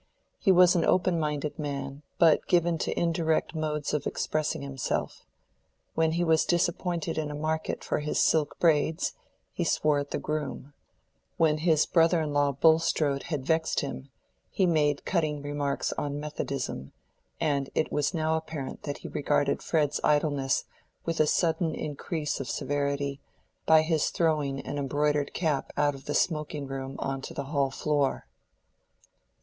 He was an open minded man, but given to indirect modes of expressing himself: when he was disappointed in a market for his silk braids, he swore at the groom; when his brother in law Bulstrode had vexed him, he made cutting remarks on Methodism; and it was now apparent that he regarded Fred's idleness with a sudden increase of severity, by his throwing an embroidered cap out of the smoking room on to the hall floor.